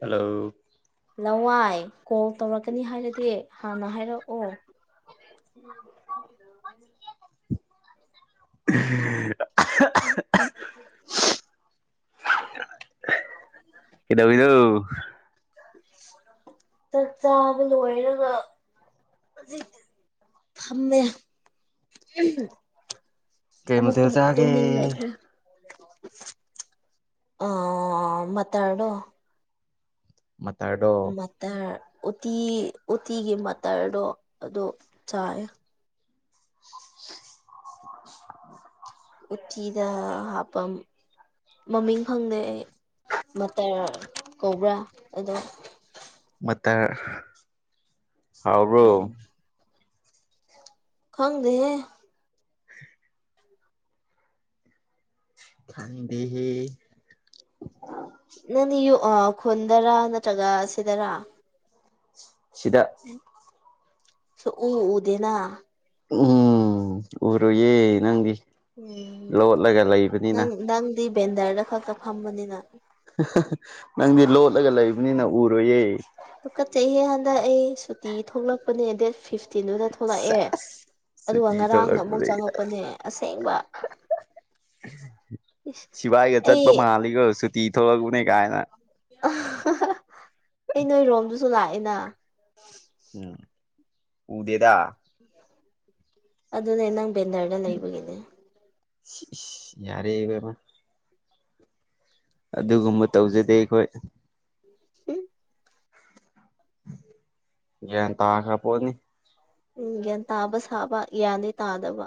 hello ꯂꯋꯥꯏ call ꯇꯧꯔꯛꯀꯅꯤ ꯍꯥꯏꯔꯗꯤ ꯍꯥꯟꯅ ꯍꯥꯏꯔꯛꯑꯣ [unintelligible] [inaudible] [unintelligible] ꯀꯩꯗꯧꯔꯤꯅꫭ ꯆꯥꯛ ꯆꯥꯕ ꯂꫭꯏꯔꯒ ꯍꯧꯖꯤꯛꯇꯤ ꯐꯝꯃꯦ ꯀꯩ ꯑꯃꯨꯛ ꯃꯊꯦꯜ ꯇꯨꯝ ꯆꯥꯒꯦ ꯇꯨꯝꯅꯤꯡꯔꯛꯈ꯭ꯔꯦ ꯑ ꯃꯇꯥꯔꯗꫭ ꯃꯇꯥꯔꯗꯣ ꯇꯥꯔ ꯎꯇꯤ ꯎꯇꯤꯒꯤ ꯃꯇꯥꯔꯗꯣ ꯑꯗꯨ ꯆꯥꯏꯌꯦ ꯎꯇꯤꯗ ꯍꯥꯞꯄ ꯃꯃꯤꯡ ꯈꯪꯗꯦ ꯑꯩ ꯃꯇꯥꯔ ꯀꯧꯕ꯭ꯔꯥ ꯑꯗꯣ ꯃꯇꯥꯔ ꯍꯥꯎꯕ꯭ꯔꯣ ꯎꯝ ꯈꯪꯗꯦꯍꯦ ꯈꯪꯗꯦꯍꯦ ꯅꯪꯗꯤ ꯌꯨꯑꯥ ꯈꯨꯟꯗ꯭ꯔꯥ ꯅꯠꯇ꯭ꯔꯒ ꯁꯤꯗ꯭ꯔꯥ ꯁꯤꯗ ꯁꯨꯡ ꯎ ꯎꯗꯦꯅ ꯎꯝ ꯎꯔꯣꯏꯌꯦ ꯅꯪꯗꯤ ꯎꯝ ꯂꯣꯠꯂꯒ ꯂꯩꯕꯅꯤꯅ ꯅꯪ ꯅꯪꯗꯤ ꯕꯦꯟꯗꯔꯗ ꯈꯛꯇ ꯐꯝꯕꯅꯤꯅ ꯅꯪꯗꯤ ꯂꯣꯠꯂꯒ ꯂꯩꯕꯅꯤꯅ ꯎꯔꯣꯏꯌꯦ ꯇꯨꯒꯨꯠꯆꯩꯍꯦ ꯍꯟꯗꯛ ꯑꯩ ꯁꯨꯇꯤ ꯊꯣꯛꯂꯛꯄꯅꯦ ꯗꯦꯠ ꯐꯤꯐꯇꯤꯟꯗꯨꯗ ꯊꯣꯛꯂꯛꯑꯦ ꯁꯦꯁ ꯑꯗꯨꯒ ꯁꯨꯇꯤ ꯉꯔꯥꯡꯅ ꯑꯃꯨꯛ ꯊꯣꯛꯂꯛꯄꯗꯒꯤ ꯆꯪꯉꯛꯄꯅꯦ ꯑꯁꯦꯡꯕ ꯏꯁ ꯁꯤꯚꯥꯏꯒ ꯑꯩ ꯆꯠꯄ ꯃꯥꯜꯂꯤꯀꫭ ꯁꯨꯇꯤ ꯊꯣꯛꯂꯛꯎꯅꯦ ꯀꯥꯏꯅ ꯑꯩ ꯅꯣꯏꯔꯣꯝꯗꯁꯨ ꯂꯥꯛꯑꯦꯅ ꯎꯝ ꯎꯗꯦꯗ ꯑꯗꯨꯅꯦ ꯅꯪ ꯕꯦꯟꯗꯔꯗ ꯂꯩꯕꯒꯤꯅꯦ ꯏꯁ ꯏꯁ ꯌꯥꯔꯦ ꯏꯕꯦꯝꯃ ꯑꯗꯨꯒꯨꯝꯕ ꯇꯧꯖꯗꯦ ꯑꯩꯈꯣꯏ ꯏꯤ ꯌꯥ ꯇꯥ ꯈ꯭ꯔꯄꯣꯠꯅꯤ ꯎꯝ ꯒ꯭ꯌꯥꯟ ꯇꯥꯕ ꯁꯥꯕ ꯒ꯭ꯌꯥꯟꯗꯤ ꯇꯥꯗꯕ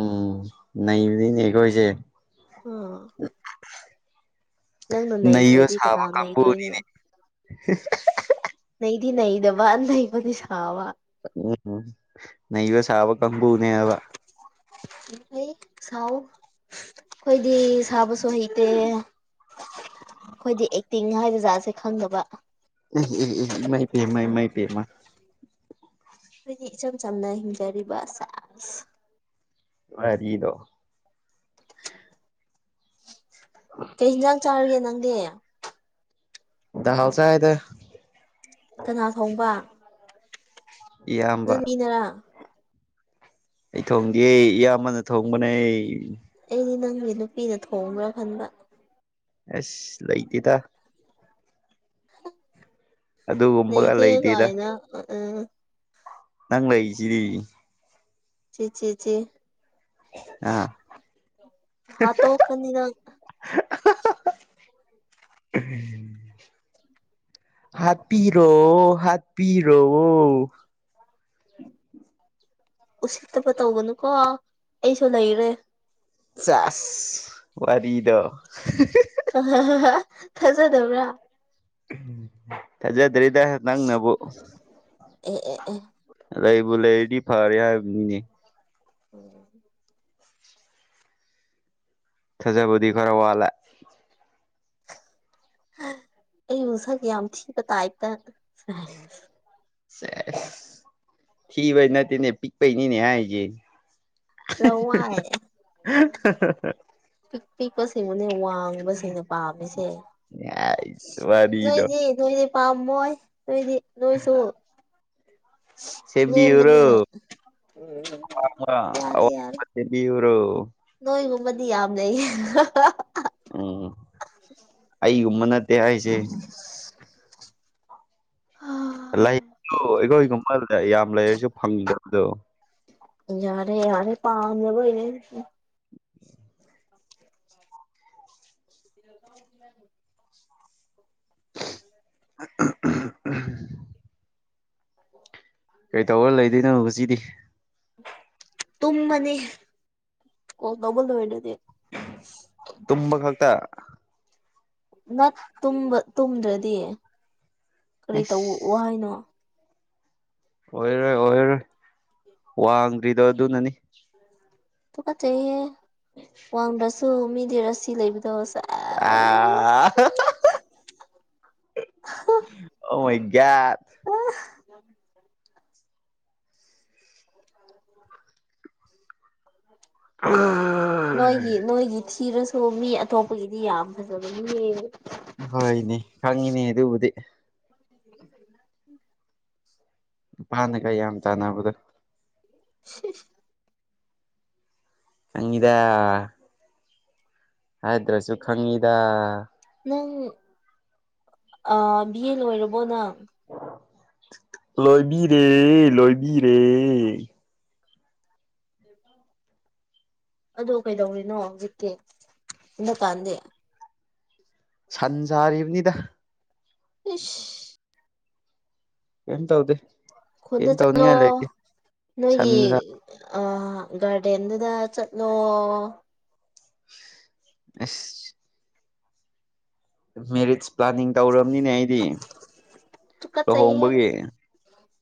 ꯎꯝ ꯅꯕꯅꯤꯅꯦ ꯑꯩꯈꯣꯏꯁꯦ ꯑꯥ ꯅꯪꯅ ꯅꯩꯕ ꯅꯩꯗ꯭ꯔꯗꯤ ꯀꯅꯥ ꯁꯥꯕ ꯅꯩꯗꯣꯏꯅꯣ ꯀꯥꯡꯕꯨꯅꯤꯅꯦ ꯅꯩꯗꯤ ꯅꯩꯗꯕ ꯅꯩꯕꯗꯤ ꯁꯥꯕ ꯎꯝ ꯅꯩꯕ ꯁꯕ ꯀꯡꯕꯨꯅꯦꯕ ꯐꯩ ꯁꯎ ꯑꯩꯈꯣꯏꯗꯤ ꯁꯕꯁꯨ ꯍꯩꯇ ꯑꯩꯈꯣꯏꯗꯤ ꯑꯦꯛꯇꯤꯡ ꯍꯥꯏꯕ ꯖꯥꯠꯁꯦ ꯈꯪꯗꯕ ꯏꯃꯥꯏ ꯄꯦꯝꯃꯥ ꯏꯃꯥꯏ ꯄꯦꯝꯃꯥ ꯑꯩꯈꯣꯏꯒꯤ ꯏꯆꯝ ꯆꯝꯅ ꯍꯤꯡꯖꯔꯤꯕ ꯋꯔꯤꯗꯣ ꯀꯩ ꯌꯦꯟꯖꯥꯡ ꯆꯥꯔꯒꯦ ꯅꯪꯗꯤ ꯥ ꯆꯍꯥꯏ ꯆꯥꯏꯗꯥ ꯀꯅꯥ ꯊꯣꯡꯕ ꯏꯌꯥꯝꯕ ꯀꯤꯅꯥꯔꯥ ꯑꯩ ꯊꯣꯡꯗꯦ ꯏꯌꯥꯝꯕꯅ ꯊꯣꯡꯕꯅꯦ ꯑꯩ ꯑꯩꯗꯤ ꯅꯪꯒꯤ ꯅꯨꯄꯤꯅ ꯊꯣꯡꯕ꯭ꯔꯥ ꯈꯟꯕ ꯑꯁ ꯂꯩꯇꯦꯗ ꯑꯗꯨꯒꯨꯝꯕꯒ ꯂꯩꯇꯦ ꯂꯩꯇꯦꯗ ꯀꯥꯏꯅ ꯑꯝꯝ ꯅꯪ ꯂꯩꯔꯤꯁꯤꯗꯤ ꯆꯦ ꯆꯦ ꯆꯦ ꯑꯥ ꯍꯥꯠꯇꯣꯛꯀꯅꯤ ꯅꯪ [unintelligible] ꯍꯥꯞꯄꯤꯔꯣ ꯍꯥꯞꯄꯤꯔꯣ ꯎꯁꯤꯠꯇꯕ ꯇꯧꯕꯅꯨꯀꯣ ꯑꯩꯁꯨ ꯂꯩꯔꯦ ꯆꯥꯁ ꯋꯥꯔꯤꯗꯣ ꯊꯖꯗꯕ꯭ꯔ ꯇꯖꯗ꯭ꯔꯤꯗ ꯅꯪ ꯅꯕꯨ ꯑꯦ ꯑꯦ ꯑꯦ ꯂꯩꯕꯨ ꯂꯩꯔꯗꯤ ꯐꯔꯦ ꯍꯥꯏꯕꯅꯤꯅꯦ ꯎꯝ ꯊꯖꯕꯗꯤ ꯈꯔ ꯋꯥꯠꯂꯦ ꯑꯩꯕꯨ ꯁꯛ ꯌꯥꯝ ꯊꯤꯕ ꯇꯥꯏꯇ ꯁ ꯊꯤꯕꯩ ꯅꯠꯇꯧꯅꯦ ꯄꯤꯛꯄꯩꯅꯤꯅꯦ ꯍꯥꯏꯖꯦ ꯂꯋꯥꯏ [unintelligible] ꯄꯤꯛ ꯄꯤꯛꯄꯁꯤ ꯃꯟꯅ ꯋꯥꯉ ꯋꯥꯡꯕꯁꯤꯡꯅ ꯄꯥꯝꯃꯤꯁꯦ ꯋꯥꯔꯤꯗꯣ ꯅꯣꯏꯗꯤ ꯅꯣꯏꯗꯤ ꯄꯥꯝꯃꯣꯏ ꯅꯣꯏꯗꯤ ꯅꯣꯏꯁꯨ ꯁꯦꯝꯕꯤꯌꯨꯔꯣ ꯂꯦꯝꯕꯅꯤꯅ ꯎꯝ ꯑꯋꯥꯡꯕ ꯌꯥꯔꯦ ꯌꯥꯔꯦ ꯑꯋꯥꯡꯕ ꯁꯦꯝꯕꯤꯌꯨꯔꯣ ꯅꯣꯏꯒꯨꯝꯕꯗꯤ ꯌꯥꯝ ꯂꯩꯌꯦ ꯎꯝ ꯎ ꯑꯩ ꯑꯩꯒꯨꯝꯕ ꯅꯠꯇꯦ ꯍꯥꯏꯁꯦ ꯂꯩꯗꯨ ꯑꯩꯈꯣꯏꯒꯨꯝꯕꯗ ꯌꯥꯝ ꯂꯩꯔꯁꯨ ꯐꯪꯗꯕꯗꯣ ꯌꯥꯔꯦ ꯌꯥꯔꯦ ꯄꯥꯗꯕꯩꯅꯦ ꯑꯩꯅ [inaudible] [unintelligible] [inaudible] ꯑ [inaudible] [inaudible] ꯀꯩꯇꯧꯔ ꯂꯩꯗꯣꯏꯅꯣ ꯉꯖꯤꯗꯤ ꯇꯨꯝꯃꯅꯤ ꯀꯣꯜ ꯇꯧꯕ ꯂꯣꯏꯔꯗꯤ ꯇꯨꯝꯕ ꯈꯛꯇ ꯅꯠ ꯇꯨꯝꯕ ꯇꯨꯝꯗ꯭ꯔꯗꯤ ꯀꯔꯤ ꯇꯧꯑꯣ ꯑꯁ ꯍꯥꯏꯅꯣ ꯑꯣꯏꯔꯔꯣꯏ ꯑꯣꯏꯔꯔꯣꯏ ꯋꯥꯡꯗ꯭ꯔꯤꯗꯣ ꯑꯗꯨꯅꯅꯤ ꯇꯨꯀꯆꯩꯍꯦ ꯋꯥꯡꯗ꯭ꯔꯁꯨ ꯃꯤꯗꯤ ꯔꯥꯁꯤ ꯂꯩꯕꯗꯣ ꯁꯦ ꯑꯥ ꯑꯍꯥ ꯑꯣ ꯃꯥꯏ ꯒꯥꯠ ꯑꯥꯍ [unintelligible] ꯑꯥꯍ ꯅꯣꯏꯒꯤ ꯅꯣꯏꯒꯤ ꯊꯤꯔꯁꯨ ꯃꯤ ꯑꯇꯣꯞꯄꯒꯤꯗꯤ ꯌꯥꯝ ꯐꯖꯕꯅꯤꯅꯦ ꯍꯣꯏꯅꯦ ꯈꯪꯉꯤꯅꯦ ꯑꯗꯨꯕꯨꯗꯤ [unintelligible] ꯅꯨꯄꯥꯅꯒ ꯌꯥꯝ ꯇꯥꯟꯅꯕꯗꯣ ꯁꯤꯍ ꯈꯪꯉꯤꯗ ꯍꯥꯏꯗ꯭ꯔꯁꯨ ꯈꯪꯉꯤꯗ ꯅꯪ ꯑꯥ ꯕꯤ ꯑꯦ ꯂꯣꯏꯔꯕꯣ ꯅꯪ ꯂꯣꯏꯕꯤꯔꯦ ꯂꯣꯏꯕꯤꯔꯦ ꯑꯗꯣ ꯀꯩꯗꯧꯔꯤꯅꯣ ꯍꯧꯖꯤꯛꯇꯤ ꯍꯟꯗꯛꯀꯥꯟꯗꯤ ꯁꯟ ꯁꯥꯔꯤꯕꯅꯤꯗ ꯇꯤꯁ ꯀꯩꯝ ꯇꯧꯗꯦ ꯀꯩꯝ ꯈꯨꯟꯗ ꯆꯠꯂꯣ ꯇꯧꯅꯤꯡꯉꯥꯏ ꯂꯩꯇꯦ ꯅꯣꯏꯒꯤ ꯁꯟꯁꯥ ꯑ ꯒꯥꯔꯗꯦꯟꯗꯨꯗꯥ ꯆꯠꯂꯣ ꯑꯁ ꯃꯦꯔꯤꯠꯁ ꯄ꯭ꯂꯥꯟꯅꯤꯡ ꯇꯧꯔꯕꯅꯤꯅꯦ ꯑꯩꯗꯤ ꯂꯨꯍꯣꯡꯕꯒꯤ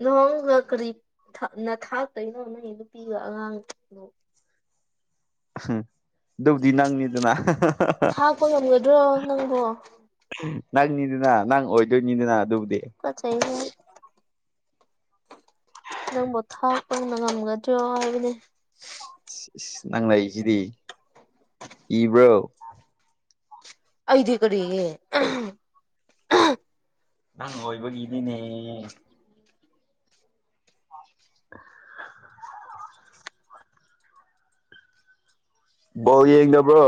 ꯂꯣꯍꯣꯡꯉꯥꯒ ꯀꯔꯤ ꯊꯥꯛꯅ ꯊꯥꯛꯇꯣꯏꯅꯣ ꯅꯪꯒꯤ ꯅꯨꯄꯤꯒ ꯑꯉꯥꯡꯗꯣ ꯑꯍ ꯑꯗꯨꯕꯨꯗꯤ ꯅꯪꯅꯤꯗꯅꯥ ꯍꯥ ꯍꯥ ꯍꯥ ꯊꯥꯛꯄ ꯉꯝꯒꯗ꯭ꯔꯣ ꯍꯥ ꯅꯪꯕꯣ ꯅꯪꯅꯤꯗꯨꯅ ꯅꯪ ꯑꯣꯏꯗꯣꯏꯅꯤꯗꯅ ꯑꯗꯨꯕꯨꯗꯤ ꯀꯠꯆꯩꯍꯦ ꯅꯪꯕꯨ ꯊꯥꯞꯄꯅ ꯉꯝꯒꯗ꯭ꯔꯣ ꯍꯥꯏꯕꯅꯦ ꯏꯁ ꯅꯪ ꯂꯩꯁꯤꯗꯤ ꯀꯤꯕ꯭ꯔꯣ ꯑꯩꯗꯤ ꯀꯔꯤꯒꯤ ꯑꯍ ꯑꯍ ꯅꯪ ꯑꯣꯏꯕꯒꯤꯅꯤꯅꯦ [inaudible] ꯕꯣꯜ ꯌꯦꯡꯗꯕ꯭ꯔꯣ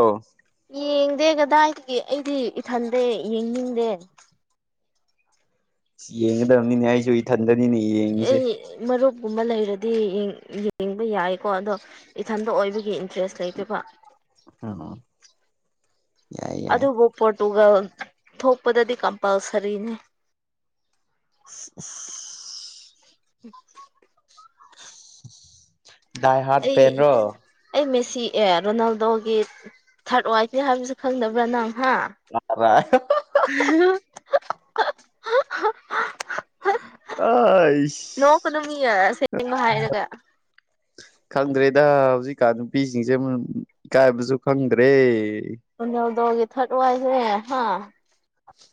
ꯌꯦꯡꯗꯦ ꯀꯗꯥꯏꯗꯗꯤ ꯑꯩꯗꯤ ꯏꯊꯟꯗꯦ ꯌꯦꯡꯅꯤꯡꯗꯦ ꯌꯦꯡꯒꯗꯕꯅꯤꯅꯦ ꯑꯩꯁꯨ ꯏꯊꯟꯗꯅꯤꯅꯦ ꯌꯦꯡꯉꯤꯁꯦ ꯑꯩ ꯃꯔꯨꯞꯀꯨꯝꯕ ꯂꯩꯔꯗꯤ ꯌꯦꯡꯕ ꯌꯥꯏꯀꯣ ꯑꯗꯣ ꯏꯊꯟꯇ ꯑꯣꯏꯕꯒꯤ ꯏꯟꯇꯔꯦꯁ ꯂꯩꯇꯦꯕ [unintelligible] ꯌꯥꯏ ꯌꯥꯏ ꯑꯗꯨꯕꯨ ꯄꯣꯔꯇꯨꯒꯜ ꯊꯣꯛꯄꯗꯗꯤ ꯀꯝꯄꯜꯁꯔꯤꯅꯤ [inaudible] [unintelligible] ꯗꯥꯏ ꯍꯥꯠ ꯑꯩ ꯐꯦꯜꯂꯣ ꯑꯩ ꯃꯦꯁꯤ ꯑꯦ ꯔꯣꯅꯥꯜꯗꯣꯒꯤ ꯊꯥꯔꯠ ꯋꯥꯏꯐꯅꯦ ꯍꯥꯏꯕꯁꯨ ꯈꯪꯗꯕ꯭ꯔꯥ ꯅꯪ ꯍꯥ [unintelligible] [unintelligible] [inaudible] [inaudible] ꯅꯣꯛꯀꯅꯣ ꯃꯤ ꯁꯦꯡꯕ ꯍꯥꯏꯔꯒ [inaudible] ꯈꯪꯗ꯭ꯔꯦꯗ ꯍꯧꯖꯤꯛꯀꯥꯟ ꯅꯨꯄꯤꯁꯤꯡꯁꯦ ꯏꯀꯥꯏꯕꯁꯨ ꯈꯪꯗ꯭ꯔꯦ ꯔꯣꯅꯥꯂꯗꯣ ꯒꯤ ꯊꯔꯗ ꯋꯥꯏꯐ ꯅꯦ ꯍꯥ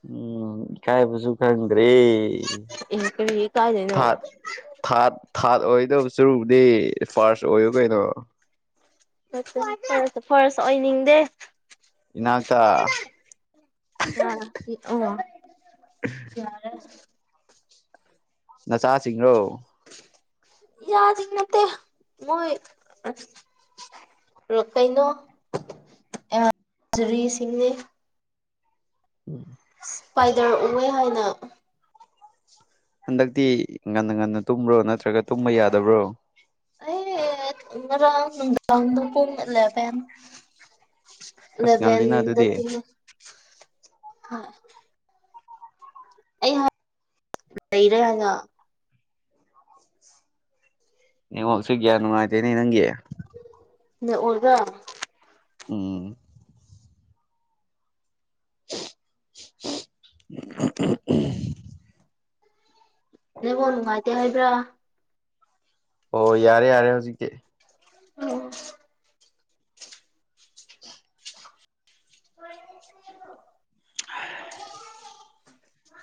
ꯎꯝ ꯏ ꯀꯥꯏꯕꯁꯨ ꯈꯪꯗ꯭ꯔꯦ ꯑꯦ ꯀꯔꯤ ꯏꯀꯥꯏꯗꯣꯏꯅꯣ ꯊꯔꯗ ꯊꯥꯔꯠ ꯊꯥꯔꯠ ꯑꯣꯏꯗꯕ ꯁꯔꯨꯛꯕꯨꯗꯤ ꯐꯥꯔꯁ ꯑꯣꯏꯌꯣ ꯀꯩꯅꯣ [unintelligible] ꯐꯥꯔꯁ ꯑꯣꯏꯅꯤꯡꯗꯦ ꯏꯅꯥꯛꯇ [unintelligible] ꯅꯆꯥꯁꯤꯡꯔꯣ ꯌꯥꯁꯤꯡ ꯅꯠꯇꯦ ꯃꯣꯏ ꯀꯩꯅꯣ ꯑꯖꯨꯔꯤꯁꯤꯡꯅꯦ [inaudible] ꯏꯁꯄꯥꯏꯗꯔ ꯎꯑꯦ ꯍꯥꯏꯅ ꯍꯟꯗꯛꯇꯤ ꯉꯟꯅ ꯉꯟꯅ ꯇꯨꯝꯕ꯭ꯔꯣ ꯅꯠꯇ꯭ꯔꯒ ꯇꯨꯝꯕ ꯌꯥꯗꯕ꯭ꯔꯣ ꯉꯥꯔꯥꯡ ꯅꯨꯡꯗꯥꯡꯗꯣ ꯄꯨꯡ ꯑꯦꯂꯕꯦꯟ ꯑꯁ ꯉꯜꯂꯤꯅ ꯑꯦꯂꯕꯦꯟꯗ ꯑꯗꯨꯗꯤ ꯇꯨꯝꯃꯦ ꯑꯩ [unintelligible] ꯂꯩꯔꯦ ꯍꯥꯏꯅ ꯅꯦꯠꯋꯥꯛꯁꯦ ꯀꯌꯥ ꯅꯨꯪꯉꯥꯏꯇꯦꯅꯦ ꯅꯪꯒꯤ [unintelligible] ꯑꯣꯏꯕꯔꯥ ꯎꯝ [unintelligible] ꯅꯦꯠꯋꯥꯛ ꯅꯨꯉꯥꯏ ꯇꯦ ꯍꯥꯏꯕ꯭ꯔꯥ ꯑꯣ ꯌꯥꯔꯦ ꯌꯥꯔꯦ ꯍꯧꯖꯤꯛꯀꯤ [unintelligible] [unintelligible]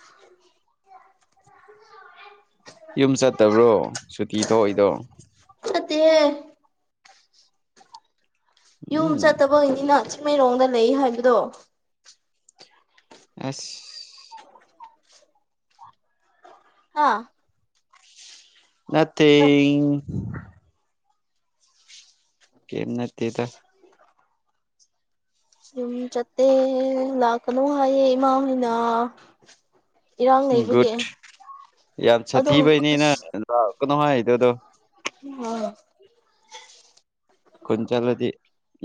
[inaudible] ꯌꯨꯝ ꯆꯠꯇꯕ꯭ꯔꯣ ꯁꯨꯇꯤ ꯊꯣꯛꯏꯗꯣ ꯆꯠꯇꯤꯌꯦ ꯌꯨꯝ ꯎꯝ ꯆꯠꯇꯕ ꯑꯣꯏꯅꯤꯅ ꯆꯤꯡꯃꯩꯔꯣꯡꯗ ꯂꯩ ꯍꯥꯏꯕꯗꯣ [inaudible] ꯍꯥ ꯅꯠꯇꯦꯡ ꯀꯩꯝ ꯅꯠꯇꯦꯗ ꯌꯨꯝ ꯆꯠꯇꯦ ꯂꯥꯛꯀꯅꯨ ꯍꯥꯏꯌꯦ ꯏꯃꯥ ꯍꯣꯏꯅ ꯏꯔꯥꯡ ꯂꯩꯕꯒꯤ ꯒꯨꯗ ꯌꯥꯝ ꯑꯗꯣ ꯁꯥꯊꯤꯕꯩꯅꯤꯅ ꯂꯥꯛꯀꯅꯣ ꯍꯥꯏꯗꯨꯗꯣ ꯍ ꯈꯨꯜ ꯆꯡꯂꯗꯤ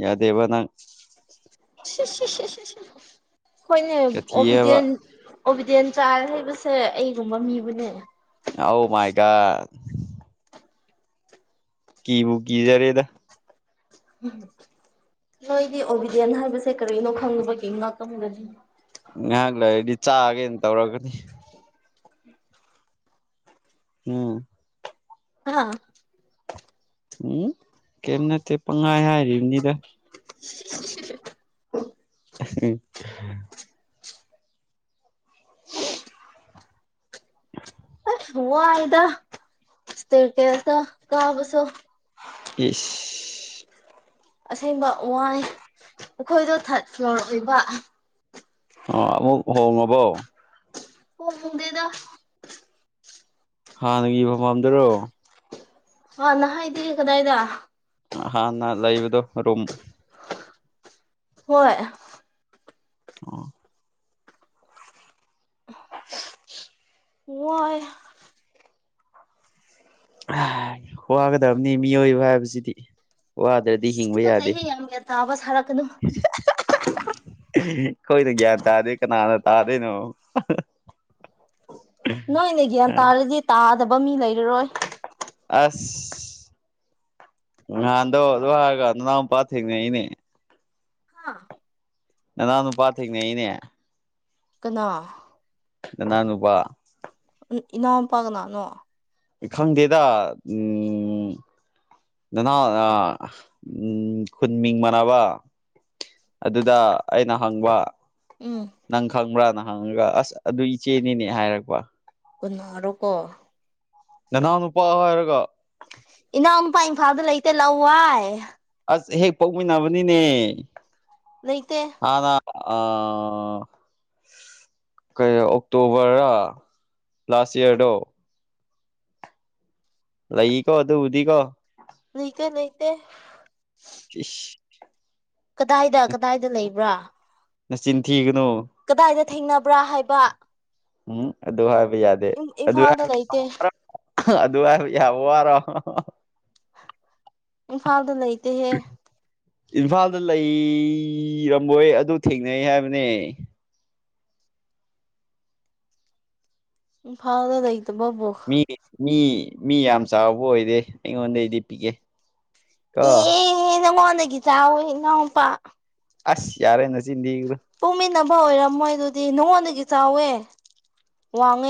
ꯌꯥꯗꯦꯕ ꯅꯪ ꯍꯣꯏꯅꯦ ꯁꯥꯊꯤꯑꯕ ꯑꯣꯕꯤꯗꯦꯟ ꯑꯣꯕꯤꯗꯦꯟ ꯆꯔ ꯍꯥꯏꯕꯁꯦ ꯑꯩꯒꯨꯝꯕ ꯃꯤꯕꯨꯅꯦ ꯑꯧ ꯃꯥꯏꯒ ꯀꯤꯕꯨ ꯀꯤꯖꯔꯦꯗ ꯎꯝ ꯅꯣꯏꯗꯤ ꯑꯣꯕꯤꯗꯦꯟ ꯍꯥꯏꯕꯁꯦ ꯀꯔꯤꯅꯣ ꯈꯪꯗꯕꯒꯤ ꯉꯅꯥꯛꯂꯃꯒꯅꯤ ꯉꯍꯥꯛ ꯂꯩꯗꯤ ꯆꯥꯛꯒꯦꯅ ꯇꯧꯔꯒꯗꯤ ꯎꯝ ꯍꯥ ꯎꯝ ꯀꯩꯝ ꯅꯠꯇꯦ ꯄꯪꯍꯥꯏ ꯍꯥꯏꯔꯤꯕꯅꯤꯗ [unintelligible] [unintelligible] ꯋꯥꯏꯗ ꯏꯁꯇꯦꯐꯦꯁ ꯇ ꯀꯥꯕꯁꯨ ꯏꯁ ꯑꯁꯦꯡꯕ ꯋꯥꯏ ꯑꯩꯈꯣꯏꯗꯣ ꯊꯥꯔꯠ ꯐ꯭ꯂꯣꯔ ꯑꯣꯏꯕ ꯑ ꯑꯃꯨꯛ ꯍꯣꯡꯉꯕꯣ ꯍꯣꯡꯗꯦꯗ ꯍꯥꯟꯅꯒꯤ ꯃꯄꯥꯝꯗꯔꯣ ꯍꯥꯟꯅ ꯍꯥꯏꯗꯦ ꯀꯗꯥꯏꯗ ꯍꯥꯟꯅ ꯂꯩꯕꯗꯣ ꯔꯨꯝ ꯍꯣꯏ ꯑꯣ [unintelligible] ꯋꯥꯏ ꯋꯥꯒꯗꯕꯅꯤ ꯃꯤꯑꯣꯏꯕ ꯍꯥꯏꯕꯁꯤꯗꯤ ꯋꯥꯗ꯭ꯔꯗꯤ ꯗꯤ ꯍꯤꯡꯕ ꯌꯥꯗꯦ ꯇꯨꯀꯠꯆꯩꯍꯦ ꯌꯥꯝ ꯒ꯭ꯌꯥꯟ ꯇꯥꯕ ꯁꯥꯔꯛꯀꯅꯨ ꯑꯩꯈꯣꯏꯅ ꯒ꯭ꯌꯥꯟ ꯇꯥꯗꯦ ꯀꯅꯥꯅ ꯇꯥꯗꯣꯏꯅꯣ ꯅꯣꯏꯅꯦ ꯒ꯭ꯌꯥꯟ ꯇꯥꯔꯗꯤ ꯇꯥꯗꯕ ꯃꯤ ꯂꯩꯔꯔꯣꯏ ꯑꯁ ꯉꯍꯥꯟꯗꯣ ꯑꯗꯨ ꯍꯥꯏꯔꯒ ꯅꯅꯥꯎꯄ ꯊꯦꯡꯅꯩꯏꯅꯦ ꯅꯅꯥꯎ ꯅꯨꯄꯥ ꯊꯦꯡꯅꯩꯅꯦ ꯀꯅꯥ ꯅꯅꯥꯎ ꯅꯨꯄꯥ ꯏ ꯏꯅꯥꯎꯟꯄꯥ ꯀꯅꯥꯅꯣ ꯈꯪꯗꯦꯗ ꯎꯝ ꯅꯅꯥꯥꯎ ꯑ ꯈꯨꯟ ꯃꯤꯡ ꯃꯥꯟꯅꯕ ꯑꯗꯨꯗ ꯑꯩꯅ ꯍꯪꯕ ꯎꯝ ꯅꯪ ꯈꯪꯕ꯭ꯔꯥꯅ ꯍꯪꯉꯒ ꯑꯁ ꯑꯗꯨ ꯏꯆꯦꯅꯤꯅꯦ ꯍꯥꯏꯔꯛꯄ ꯀꯨꯟꯅꯥꯔꯣꯀꯣ ꯅꯅꯥꯎ ꯅꯨꯄꯥ ꯍꯥꯏꯔꯒ ꯏꯅꯥꯎꯅꯨꯄꯥ ꯏꯝꯐꯥꯜꯗ ꯂꯩꯇꯦ ꯂꯋꯥꯏ ꯑꯁ ꯍꯦꯛ ꯄꯣꯛꯃꯤꯟꯅꯕꯅꯤꯅꯦ ꯂꯩꯇꯦ ꯑꯥꯗ ꯑ ꯀꯩꯔ ꯑꯣꯛꯇꯣꯕꯔ ꯂꯥꯁ ꯏꯌꯥꯔꯗꯣ ꯂꯩꯀꯣ ꯑꯗꯨꯕꯨꯗꯤꯀꯣ ꯂꯩꯇꯦ ꯂꯩꯇꯦ ꯏꯁ ꯀꯗꯥꯏꯗ ꯀꯗꯥꯏꯗ ꯂꯩꯕ꯭ꯔꯥ ꯅꯆꯤꯟ ꯊꯤꯒꯅꯣ ꯀꯗꯥꯏꯗ ꯊꯦꯡꯅꯕ꯭ꯔꯥ ꯍꯥꯏꯕ ꯎꯝ ꯑꯗꯨ ꯍꯥꯏꯕ ꯌꯥꯗꯦ ꯑꯗꯨ ꯏꯝꯐꯥꯜꯗ ꯂꯩꯇꯦ [inaudible] ꯑꯗꯨ ꯍꯥꯏꯕ ꯌꯥꯕ ꯋꯥꯔꯣ ꯏꯝꯐꯥꯜꯗ ꯂꯩꯇꯦꯍꯦ ꯏꯝꯐꯥꯜꯗ ꯂꯩꯔꯃꯣꯏ ꯑꯗꯨ ꯊꯦꯡꯅꯩ ꯍꯥꯏꯕꯅꯦ ꯏꯝꯐꯥꯜꯗ ꯂꯩꯇꯕꯕꯨ ꯃꯤ ꯃꯤ ꯃꯤ ꯌꯥꯝ ꯆꯥꯎꯕ ꯑꯣꯏꯗꯦ ꯑꯩꯉꯣꯟꯗꯩꯗꯤ ꯄꯤꯛꯑꯦ ꯀꯣ ꯑꯦ ꯅꯪꯉꯣꯟꯗꯒꯤ ꯆꯥꯎꯋꯦ ꯏꯅꯥꯎꯄꯥ ꯑꯁ ꯌꯥꯔꯦ ꯅꯆꯤꯟ ꯗꯤꯒꯅꯨ ꯄꯣꯛꯃꯤꯟꯅꯕ ꯑꯣꯏꯔꯝꯃꯣꯏ ꯑꯗꯨꯗꯤ ꯅꯉꯣꯟꯗꯒꯤ ꯆꯥꯎꯋꯦ ꯋꯥꯡꯉꯦ